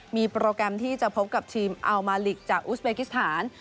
มีโปรแกรมที่จะพบกับทีมอัลมาลิกจากอุสเบกิสถาน